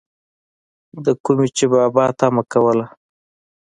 دَکومې چې بابا طمع لرله،